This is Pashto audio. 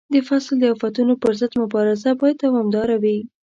د فصل د آفتونو پر ضد مبارزه باید دوامداره وي.